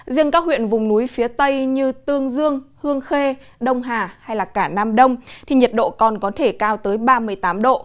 riêng các huyện vùng núi phía tây như tương dương hương khê đông hà hay cả nam đông thì nhiệt độ còn có thể cao tới ba mươi tám độ